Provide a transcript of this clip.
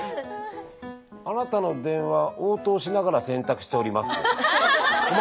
「あなたの電話応答しながら洗濯しております」。